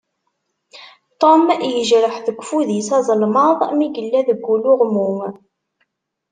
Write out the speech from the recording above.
Tom yejreḥ deg ufud-is azelmaḍ mi yella deg uluɣmu.